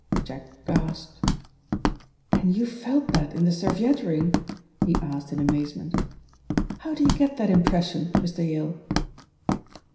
Jack gasped. "And you felt that in the serviette ring?" he asked in amazement. "How do you get that impression, Mr. Yale?"